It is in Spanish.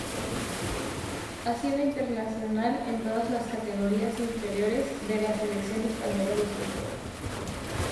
Ha sido internacional en todas las categorías inferiores de la Selección española de fútbol.